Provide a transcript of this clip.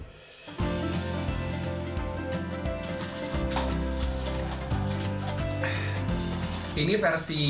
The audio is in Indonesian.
apel yang terakhir di dalam